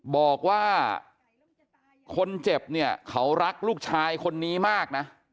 บอกว่าคนเจ็บเนี่ยเขารักลูกชายคนนี้มากนะ